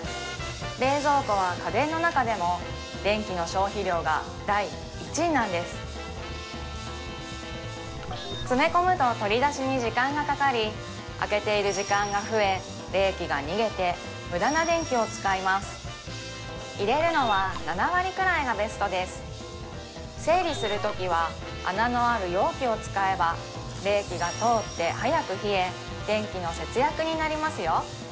冷蔵庫は家電の中でも電気の消費量が第１位なんです詰め込むと取り出しに時間がかかり開けている時間が増え冷気が逃げてムダな電気を使います入れるのは７割くらいがベストです整理するときは穴のある容器を使えば冷気が通って早く冷え電気の節約になりますよ